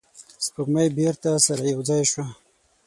سپوږمۍ بیرته سره یو ځای شوه.